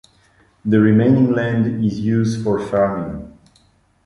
The remaining land is used for farming.